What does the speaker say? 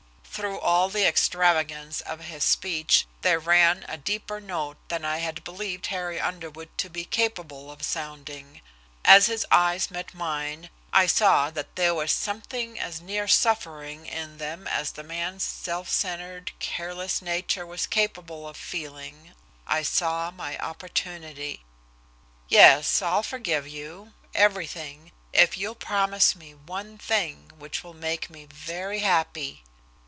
Through all the extravagance of his speech there ran a deeper note than I had believed Harry Underwood to be capable of sounding. As his eyes met mine and I saw that there was something as near suffering in them as the man's self centred careless nature was capable of feeling I saw my opportunity. "Yes, I'll forgive you everything if you'll promise me one thing, which will make me very happy."